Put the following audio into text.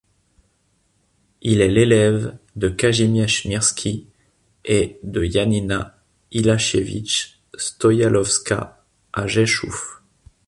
Il est l’élève de Kazimierz Mirski et de Janina Illasiewicz-Stojalowska à Rzeszów.